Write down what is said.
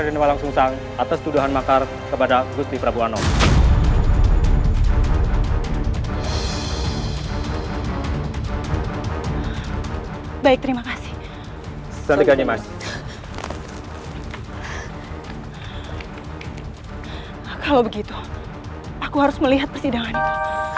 jangan begitu aku harus melihat persidangan itu